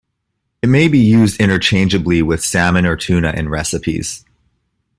It may be used interchangeably with salmon or tuna in recipes.